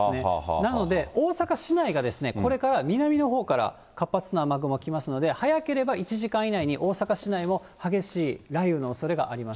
なので、大阪市内がこれから南のほうから活発な雨雲が来ますので、早ければ１時間以内に、大阪市内も激しい雷雨のおそれがあります。